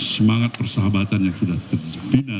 semangat persahabatan yang sudah terjepit